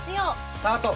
スタート！